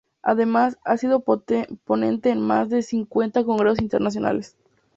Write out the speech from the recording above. Además, ha sido ponente en más de cincuenta congresos internacionales.